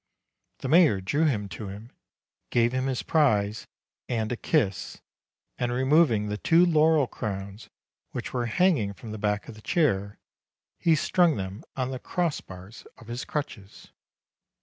The mayor drew him to him, gave him his prize and a kiss, and remov ing the two laurel crowns which were hanging from the back of the chair, he strung them on the crossbars of his crutches.